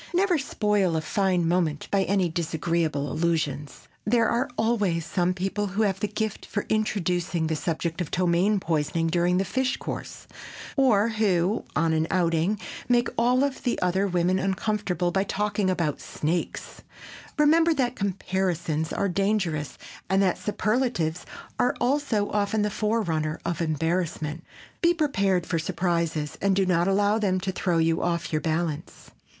Never spoil a fine moment by any disagreeable allusions. There are always some people who have a gift for introducing the subject of ptomaine poisoning during the fish course, or who, on an outing, make all the other women uncomfortable by talking about snakes. Remember that comparisons are dangerous and that superlatives are also often the forerunner of embarrassment. Be prepared for surprises and do not allow them to throw you off your balance.